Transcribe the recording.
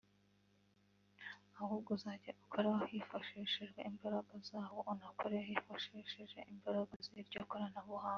ahubwo uzajya ukora hifashishijwe imbaraga zawo unakore wifashishije imbaraga z’iryo koranabuhanga